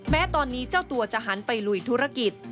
แม้ตอนนี้เจ้าตัวจะหันไปลุยธุรกิจ